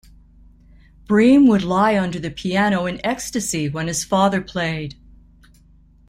Bream would lie under the piano in "ecstasy" when his father played.